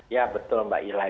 ya betul mbak ila